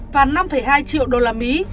và năm hai triệu đô la mỹ